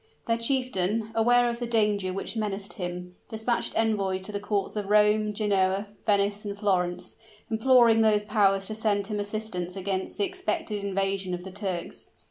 This chieftain, aware of the danger which menaced him, dispatched envoys to the courts of Rome, Genoa, Venice, and Florence, imploring those powers to send him assistance against the expected invasion of the Turks.